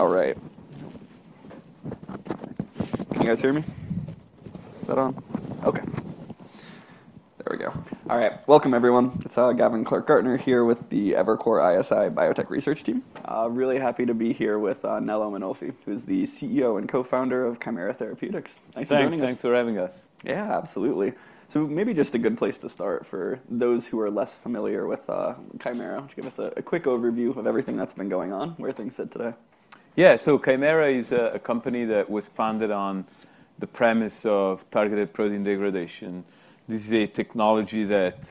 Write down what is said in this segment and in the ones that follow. All right. Can you guys hear me? Is that on? Okay. There we go. All right. Welcome, everyone. It's Gavin Clark-Gartner here with the Evercore ISI Biotech Research Team. Really happy to be here with Nello Mainolfi, who is the CEO and co-founder of Kymera Therapeutics. Nice to have you here. Thanks. Thanks for having us. Yeah, absolutely. So maybe just a good place to start for those who are less familiar with Kymera. Would you give us a quick overview of everything that's been going on, where things sit today? Yeah. So Kymera is a company that was founded on the premise of targeted protein degradation. This is a technology that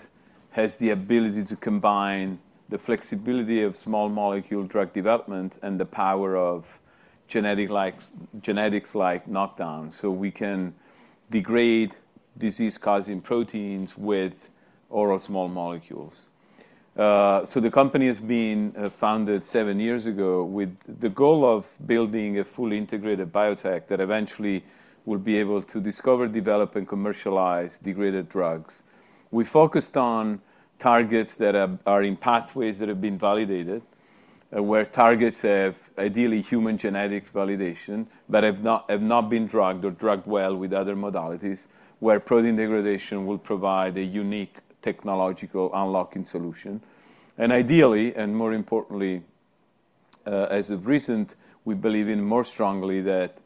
has the ability to combine the flexibility of small molecule drug development and the power of genetics-like knockdown, so we can degrade disease-causing proteins with oral small molecules. So the company has been founded seven years ago with the goal of building a fully integrated biotech that eventually will be able to discover, develop, and commercialize degraded drugs. We focused on targets that are in pathways that have been validated, where targets have ideally human genetics validation, but have not been drugged or drugged well with other modalities, where protein degradation will provide a unique technological unlocking solution. And ideally, and more importantly, as of recent, we believe in more strongly that,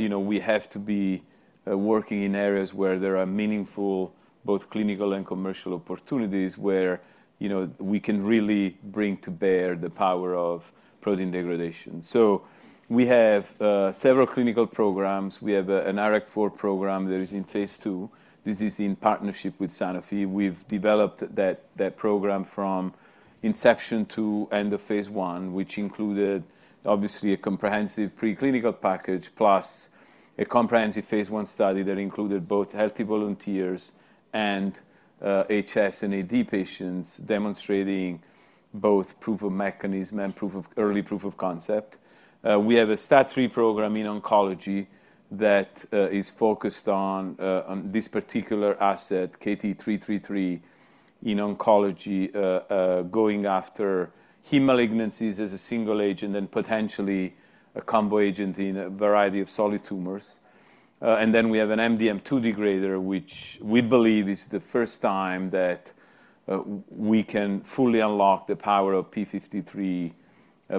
you know, we have to be working in areas where there are meaningful, both clinical and commercial opportunities, where, you know, we can really bring to bear the power of protein degradation. So we have several clinical programs. We have an IRAK4 program that is in phase 2. This is in partnership with Sanofi. We've developed that program from inception to end of phase 1, which included, obviously, a comprehensive preclinical package, plus a comprehensive phase 1 study that included both healthy volunteers and HS and AD patients, demonstrating both proof of mechanism and early proof of concept. We have a STAT3 program in oncology that is focused on this particular asset, KT-333, in oncology, going after heme malignancies as a single agent and potentially a combo agent in a variety of solid tumors. And then we have an MDM2 degrader, which we believe is the first time that we can fully unlock the power of p53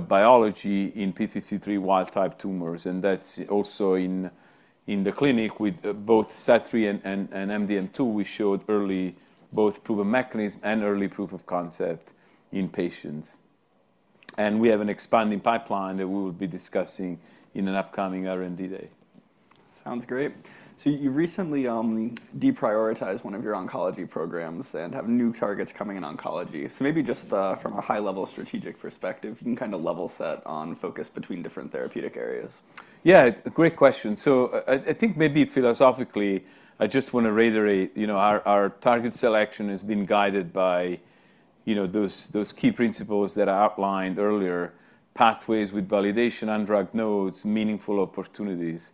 biology in p53 wild-type tumors, and that's also in the clinic with both STAT3 and MDM2. We showed early both proof of mechanism and early proof of concept in patients. We have an expanding pipeline that we will be discussing in an upcoming R&D day. Sounds great. You recently deprioritized one of your oncology programs and have new targets coming in oncology. Maybe just from a high-level strategic perspective, you can kind of level set on focus between different therapeutic areas. Yeah, it's a great question. So I, I think maybe philosophically, I just want to reiterate, you know, our, our target selection has been guided by, you know, those, those key principles that I outlined earlier, pathways with validation, undrugged nodes, meaningful opportunities.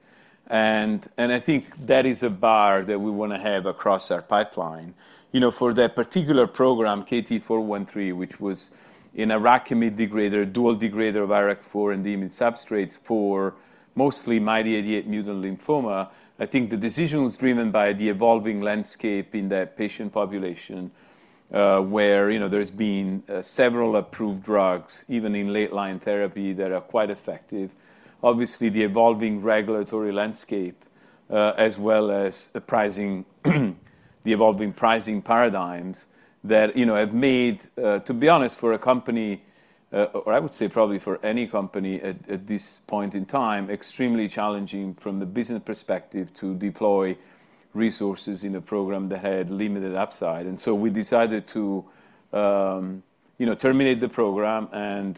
And, and I think that is a bar that we want to have across our pipeline. You know, for that particular program, KT-413, which was an IRAKIMiD degrader, dual degrader of IRAK4 and the IMiD substrates for mostly MYD88 mutant lymphoma, I think the decision was driven by the evolving landscape in that patient population, where, you know, there's been, several approved drugs, even in late line therapy, that are quite effective. Obviously, the evolving regulatory landscape, as well as the pricing, the evolving pricing paradigms that, you know, have made, to be honest, for a company, or I would say probably for any company at this point in time, extremely challenging from the business perspective, to deploy resources in a program that had limited upside. And so we decided to, you know, terminate the program and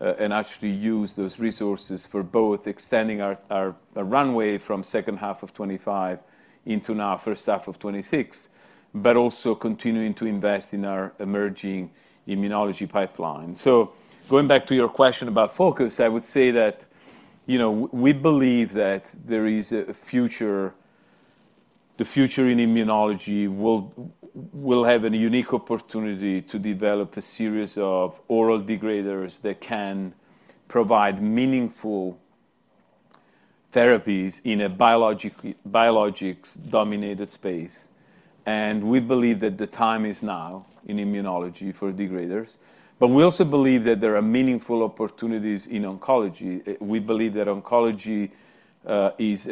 actually use those resources for both extending our runway from second half of 2025 into now first half of 2026, but also continuing to invest in our emerging immunology pipeline. So going back to your question about focus, I would say that, you know, we believe that there is a future, the future in immunology will have a unique opportunity to develop a series of oral degraders that can provide meaningful therapies in a biologics-dominated space. And we believe that the time is now in immunology for degraders, but we also believe that there are meaningful opportunities in oncology. We believe that oncology is,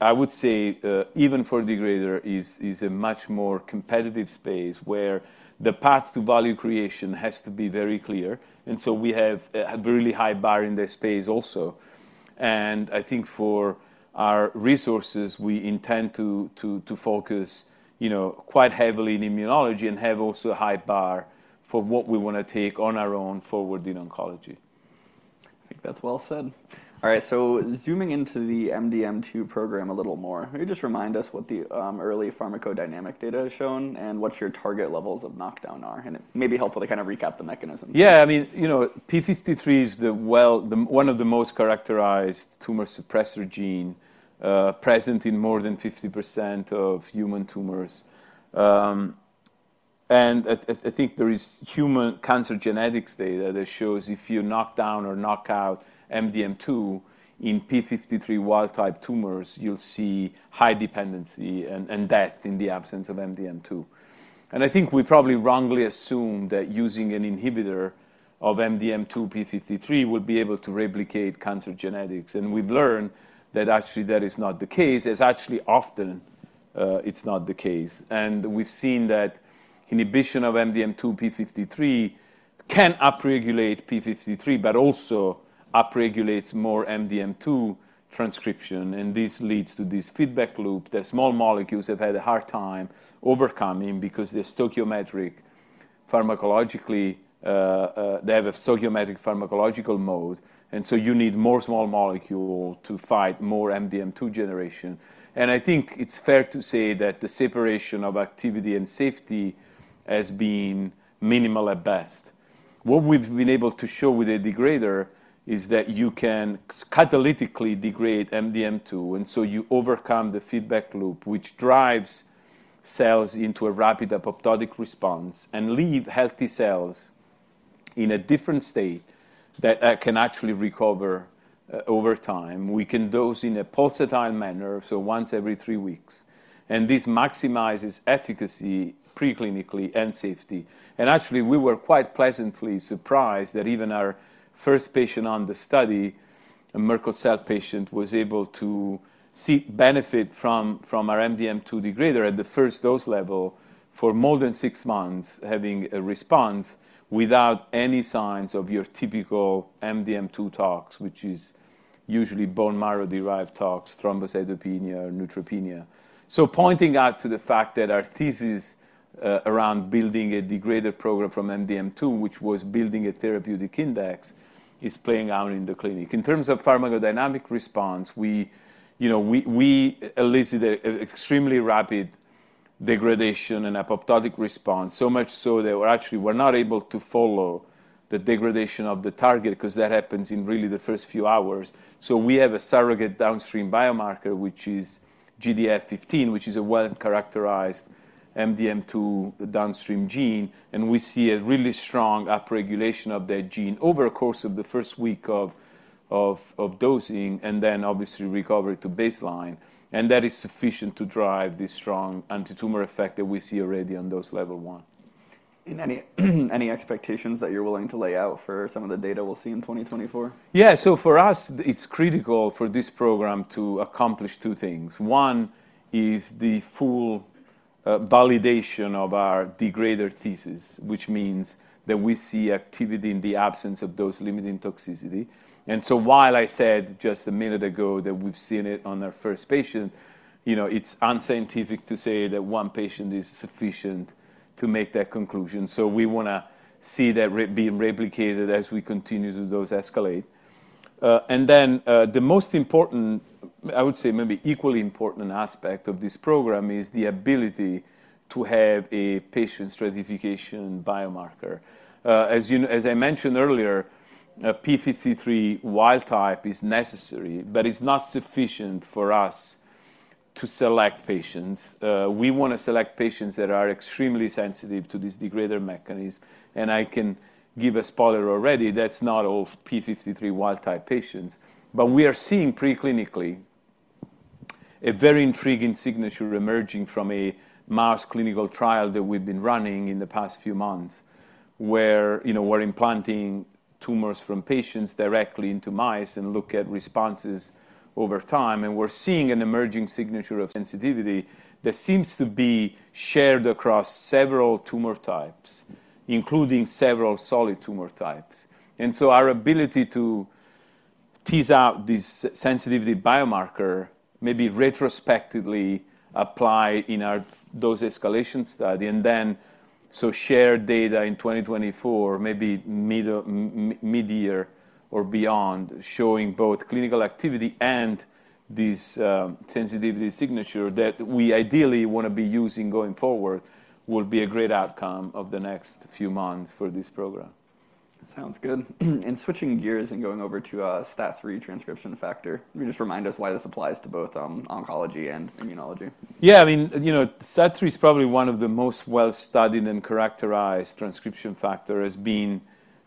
I would say, even for degrader, a much more competitive space, where the path to value creation has to be very clear, and so we have a really high bar in that space also. I think for our resources, we intend to focus, you know, quite heavily in immunology and have also a high bar for what we want to take on our own forward in oncology. I think that's well said. All right, so zooming into the MDM2 program a little more, can you just remind us what the early pharmacodynamic data has shown, and what your target levels of knockdown are? It may be helpful to kind of recap the mechanism. Yeah, I mean, you know, p53 is one of the most characterized tumor suppressor gene, present in more than 50% of human tumors. And I think there is human cancer genetics data that shows if you knock down or knock out MDM2 in p53 wild-type tumors, you'll see high dependency and death in the absence of MDM2. And I think we probably wrongly assumed that using an inhibitor of MDM2-p53 would be able to replicate cancer genetics, and we've learned that actually that is not the case, as actually often, it's not the case. We've seen that inhibition of MDM2 p53 can upregulate p53, but also upregulates more MDM2 transcription, and this leads to this feedback loop that small molecules have had a hard time overcoming because the stoichiometric pharmacologically, they have a stoichiometric pharmacological mode, and so you need more small molecule to fight more MDM2 generation. I think it's fair to say that the separation of activity and safety has been minimal at best. What we've been able to show with a degrader is that you can catalytically degrade MDM2, and so you overcome the feedback loop, which drives cells into a rapid apoptotic response and leave healthy cells in a different state that can actually recover over time. We can dose in a pulsatile manner, so once every three weeks, and this maximizes efficacy preclinically and safety. Actually, we were quite pleasantly surprised that even our first patient on the study, a Merkel cell patient, was able to see benefit from our MDM2 degrader at the first dose level for more than six months, having a response without any signs of your typical MDM2 tox, which is usually bone marrow-derived tox, thrombocytopenia, or neutropenia. Pointing out to the fact that our thesis around building a degrader program from MDM2, which was building a therapeutic index, is playing out in the clinic. In terms of pharmacodynamic response, we, you know, we elicited an extremely rapid degradation and apoptotic response. So much so that we actually were not able to follow the degradation of the target 'cause that happens in really the first few hours. So we have a surrogate downstream biomarker, which is GDF-15, which is a well-characterized MDM2 downstream gene, and we see a really strong upregulation of that gene over a course of the first week of dosing, and then obviously recover to baseline. And that is sufficient to drive this strong antitumor effect that we see already on dose level one. Any expectations that you're willing to lay out for some of the data we'll see in 2024? Yeah. So for us, it's critical for this program to accomplish two things. One is the full validation of our degrader thesis, which means that we see activity in the absence of dose-limiting toxicity. And so while I said just a minute ago that we've seen it on our first patient, you know, it's unscientific to say that one patient is sufficient to make that conclusion. So we wanna see that being replicated as we continue to dose escalate. And then, the most important, I would say maybe equally important aspect of this program is the ability to have a patient stratification biomarker. As you... As I mentioned earlier, p53 wild-type is necessary, but it's not sufficient for us to select patients. We wanna select patients that are extremely sensitive to this degrader mechanism, and I can give a spoiler already. That's not all p53 wild type patients, but we are seeing preclinically a very intriguing signature emerging from a mouse clinical trial that we've been running in the past few months, where, you know, we're implanting tumors from patients directly into mice and look at responses over time. And we're seeing an emerging signature of sensitivity that seems to be shared across several tumor types, including several solid tumor types. And so our ability to tease out this sensitivity biomarker may be retrospectively apply in our dose escalation study, and then so share data in 2024, maybe middle, midyear or beyond, showing both clinical activity and this, sensitivity signature that we ideally wanna be using going forward, will be a great outcome of the next few months for this program. That sounds good. Switching gears and going over to STAT3 transcription factor, can you just remind us why this applies to both oncology and immunology? Yeah, I mean, you know, STAT3 is probably one of the most well-studied and characterized transcription factor, has been,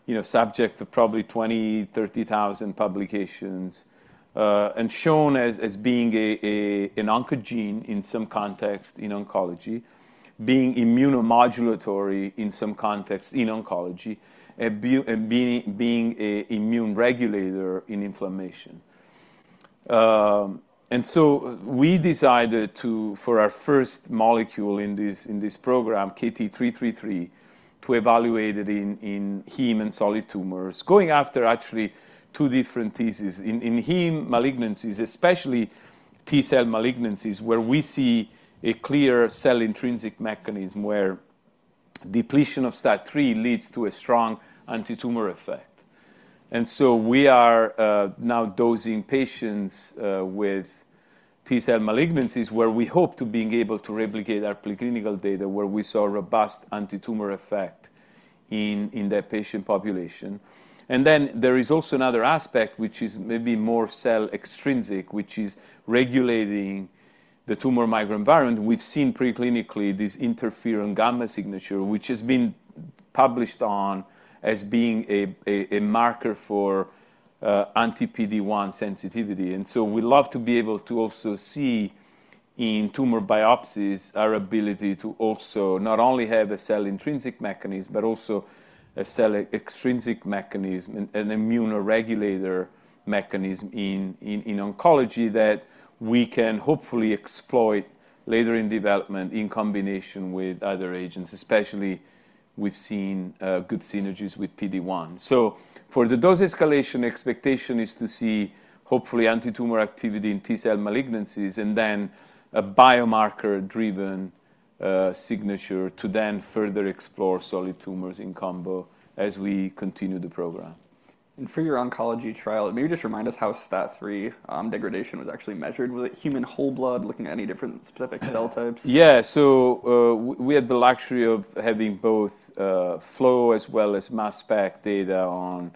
you know, subject to probably 20-30,000 publications, and shown as being an oncogene in some context in oncology, being immunomodulatory in some context in oncology, and being an immune regulator in inflammation. And so we decided to, for our first molecule in this, in this program, KT-333, to evaluate it in, in heme and solid tumors, going after actually two different thesis. In, in heme malignancies, especially T-cell malignancies, where we see a clear cell intrinsic mechanism where depletion of STAT3 leads to a strong antitumor effect. And so we are now dosing patients with T-cell malignancies, where we hope to being able to replicate our preclinical data, where we saw a robust antitumor effect. in that patient population. And then there is also another aspect, which is maybe more cell extrinsic, which is regulating the tumor microenvironment. We've seen preclinically this interferon gamma signature, which has been published on as being a marker for anti-PD-1 sensitivity. And so we'd love to be able to also see in tumor biopsies, our ability to also not only have a cell-intrinsic mechanism, but also a cell-extrinsic mechanism, an immunoregulator mechanism in oncology, that we can hopefully exploit later in development in combination with other agents, especially, we've seen good synergies with PD-1. So for the dose escalation, expectation is to see, hopefully, antitumor activity in T-cell malignancies, and then a biomarker-driven signature to then further explore solid tumors in combo as we continue the program. For your oncology trial, maybe just remind us how STAT3 degradation was actually measured. Was it human whole blood, looking at any different specific cell types? Yeah. So, we had the luxury of having both flow as well as mass spec data on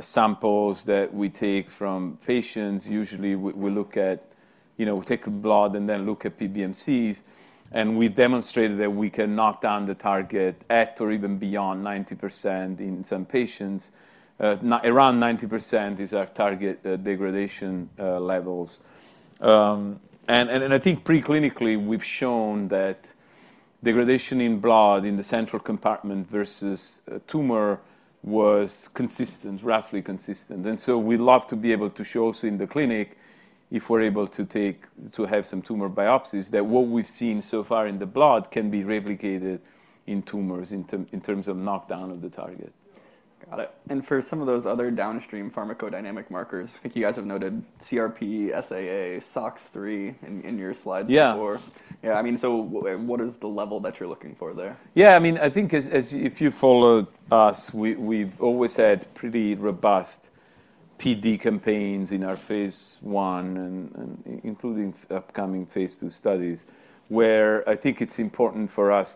samples that we take from patients. Usually, we look at—you know, we take a blood and then look at PBMCs, and we demonstrated that we can knock down the target at or even beyond 90% in some patients. Around 90% is our target degradation levels. And I think preclinically, we've shown that degradation in blood, in the central compartment versus a tumor, was consistent, roughly consistent. And so we'd love to be able to show also in the clinic, if we're able to take to have some tumor biopsies, that what we've seen so far in the blood can be replicated in tumors in term, in terms of knockdown of the target. Got it. And for some of those other downstream pharmacodynamic markers, I think you guys have noted CRP, SAA, SOCS3 in your slides before. Yeah. Yeah, I mean, so what is the level that you're looking for there? Yeah, I mean, I think as if you followed us, we've always had pretty robust PD campaigns in our phase 1 and including upcoming phase 2 studies, where I think it's important for us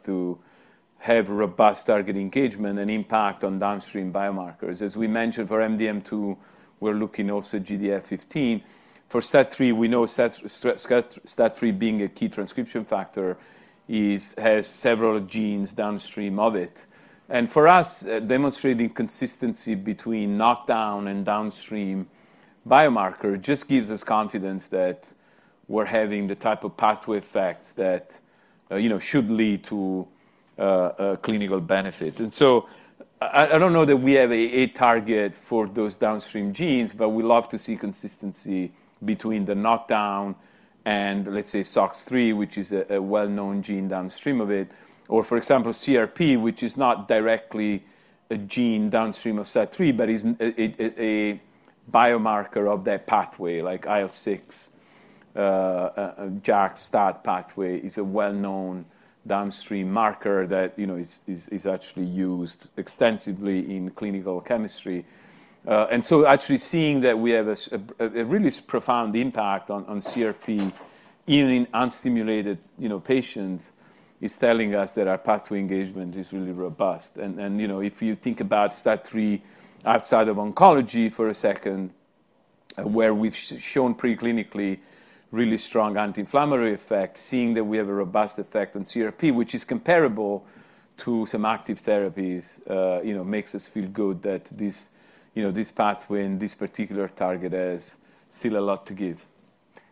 to have robust target engagement and impact on downstream biomarkers. As we mentioned, for MDM2, we're looking also GDF-15. For STAT3, we know STAT3, being a key transcription factor, has several genes downstream of it. And for us, demonstrating consistency between knockdown and downstream biomarker just gives us confidence that we're having the type of pathway effects that, you know, should lead to a clinical benefit. And so I don't know that we have a target for those downstream genes, but we love to see consistency between the knockdown and, let's say, SOCS3, which is a well-known gene downstream of it. Or, for example, CRP, which is not directly a gene downstream of STAT3, but is a biomarker of that pathway, like IL-6. JAK-STAT pathway is a well-known downstream marker that, you know, is actually used extensively in clinical chemistry. And so actually seeing that we have a really profound impact on CRP, even in unstimulated, you know, patients, is telling us that our pathway engagement is really robust. And, you know, if you think about STAT3 outside of oncology for a second, where we've shown preclinically really strong anti-inflammatory effect, seeing that we have a robust effect on CRP, which is comparable to some active therapies, you know, makes us feel good that this, you know, this pathway and this particular target has still a lot to give.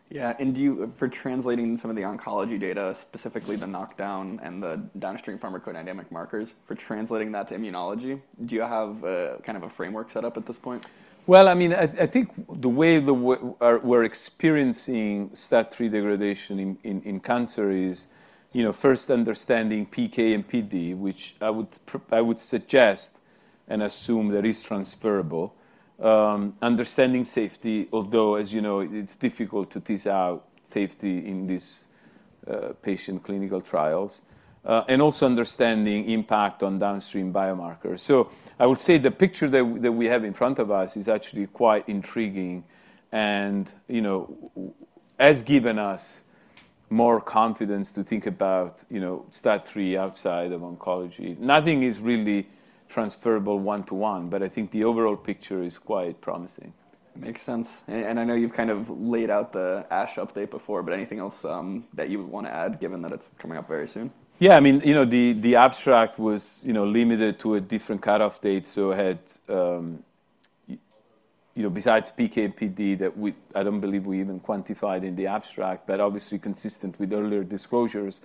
Yeah. And do you, for translating some of the oncology data, specifically the knockdown and the downstream pharmacodynamic markers, for translating that to immunology, do you have kind of a framework set up at this point? Well, I mean, I think the way we're experiencing STAT3 degradation in cancer is, you know, first understanding PK and PD, which I would suggest and assume that is transferable. Understanding safety, although, as you know, it's difficult to tease out safety in these patient clinical trials, and also understanding impact on downstream biomarkers. So I would say the picture that we have in front of us is actually quite intriguing and, you know, has given us more confidence to think about, you know, STAT3 outside of oncology. Nothing is really transferable one-to-one, but I think the overall picture is quite promising. Makes sense. And I know you've kind of laid out the ASH update before, but anything else, that you would wanna add, given that it's coming up very soon? Yeah, I mean, you know, the abstract was, you know, limited to a different cutoff date, so had, you know, besides PK/PD, that we-- I don't believe we even quantified in the abstract, but obviously consistent with earlier disclosures,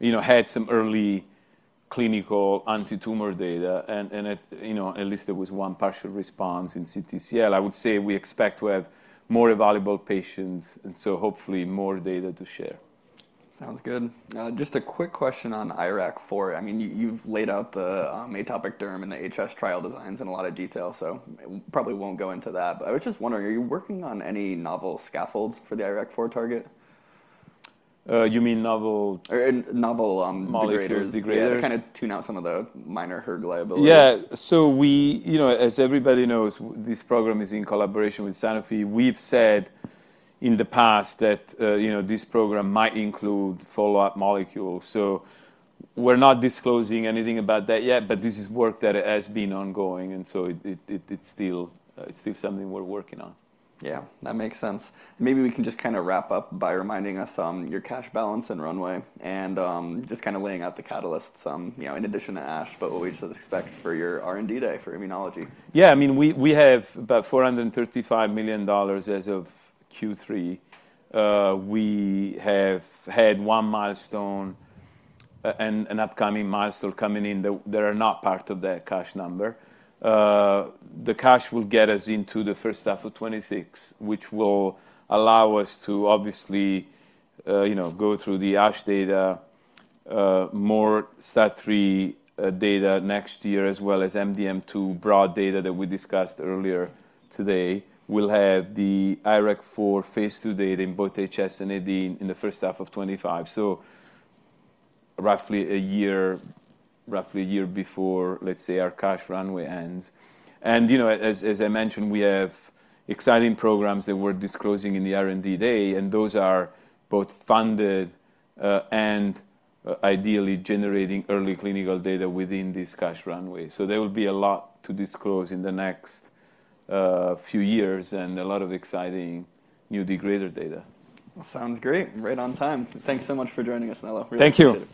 you know, had some early clinical antitumor data and, you know, at least there was one partial response in CTCL. I would say we expect to have more evaluable patients, and so hopefully more data to share. Sounds good. Just a quick question on IRAK4. I mean, you, you've laid out the atopic derm and the HS trial designs in a lot of detail, so probably won't go into that. But I was just wondering, are you working on any novel scaffolds for the IRAK4 target? you mean novel- Novel degraders.... molecules, degraders? Yeah, to kinda tune out some of the minor hERG liability. Yeah. So, you know, as everybody knows, this program is in collaboration with Sanofi. We've said in the past that, you know, this program might include follow-up molecules, so we're not disclosing anything about that yet, but this is work that has been ongoing, and so it's still something we're working on. Yeah, that makes sense. Maybe we can just kinda wrap up by reminding us on your cash balance and runway, and, just kinda laying out the catalyst, you know, in addition to ASH, but what we should expect for your R&D day for immunology. Yeah, I mean, we, we have about $435 million as of Q3. We have had one milestone and an upcoming milestone coming in, that they are not part of that cash number. The cash will get us into the first half of 2026, which will allow us to obviously, you know, go through the ASH data, more STAT3 data next year, as well as MDM2 broad data that we discussed earlier today. We'll have the IRAK4 phase II data in both HS and AD in the first half of 2025. So roughly a year, roughly a year before, let's say, our cash runway ends. And, you know, as, as I mentioned, we have exciting programs that we're disclosing in the R&D day, and those are both funded and ideally generating early clinical data within this cash runway. So there will be a lot to disclose in the next few years, and a lot of exciting new degrader data. Sounds great, right on time. Thank you so much for joining us, Nello. Thank you.